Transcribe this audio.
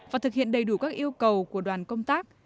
và thực hiện đầy đủ các yêu cầu của đoàn công tác